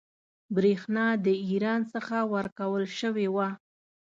برېښنا د ایران څخه ورکول شوې وه.